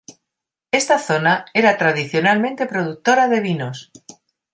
Esta zona era tradicionalmente productora de vinos.